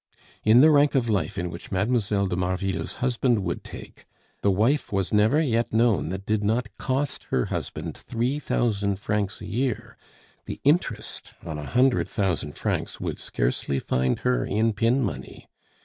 In the rank of life in which Mlle. de Marville's husband would take, the wife was never yet known that did not cost her husband three thousand francs a year; the interest on a hundred thousand francs would scarcely find her in pin money.